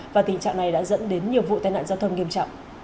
và tình trạng này đã dẫn đến nhiều vụ tai nạn giao thông nghiêm trọng